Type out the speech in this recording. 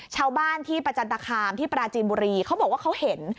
ชาวบ้านที่ประจันตคามที่ปราจีนบุรีเขาบอกว่าเขาเห็น